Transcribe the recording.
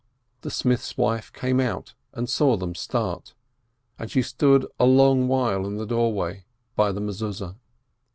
The smith's wife came out and saw them start, and she stood a long while in the doorway by the Mezuzeh.